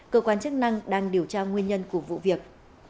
cơ quan chức năng đang điều tra nguyên nhân của vụ việc